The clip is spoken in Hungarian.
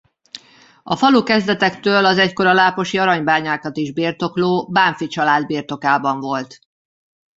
A falu kezdetektől az egykor a láposi aranybányákat is birtokló Bánffy család birtokában volt.